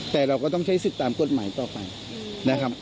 แต่เราก็ต้องใช้สิทธิ์ตามกฎหมายต่อไปนะครับ